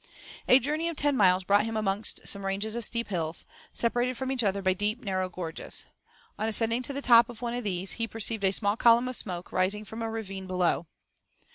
A journey of ten miles brought him amongst some ranges of steep hills, separated from each other by deep, narrow gorges. On ascending to the top of one of these, he perceived a small column of smoke rising from a ravine below.